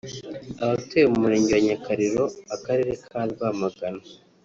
Abatuye mu Murenge wa Nyakariro akarere ka Rwamagana